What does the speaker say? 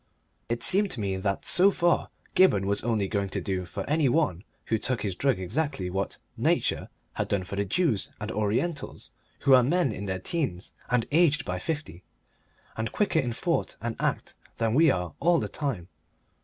It seemed to me that so far Gibberne was only going to do for any one who took his drug exactly what Nature has done for the Jews and Orientals, who are men in their teens and aged by fifty, and quicker in thought and act than we are all the time.